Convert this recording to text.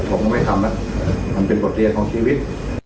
ผมไม่ทำอ่ะทำเป็นบทเรียนของชีวิต